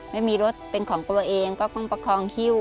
ไม่มีรถเป็นของตัวเองก็ต้องประคองฮิ้ว